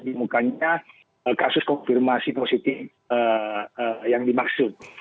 di mukanya kasus konfirmasi positif yang dimaksud